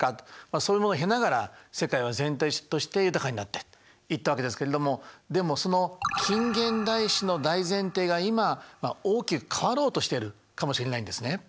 それも経ながら世界は全体として豊かになっていったわけですけれどもでもその近現代史の大前提が今大きく変わろうとしているかもしれないんですね。